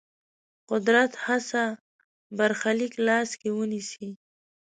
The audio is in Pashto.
قدرت هڅه برخلیک لاس کې ونیسي.